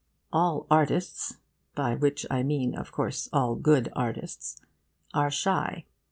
All artists by which I mean, of course, all good artists are shy.